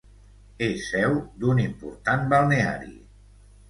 És seu d'un important balneari.